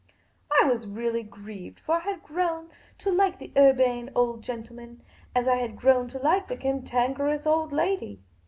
I was really grieved, for I had grown to like the Urbane Old Gentleman, as I had grown to like the Cantankerous Old I/ady.